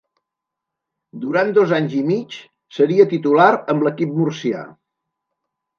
Durant dos anys i mig seria titular amb l'equip murcià.